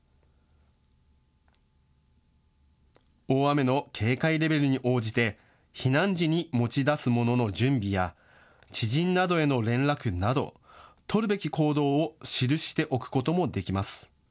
大雨の警戒レベルに応じて避難時に持ち出すものの準備や知人などへの連絡など取るべき行動を記しておくこともできます。